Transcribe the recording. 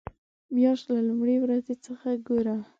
مياشت له لومړۍ ورځې څخه ګوره.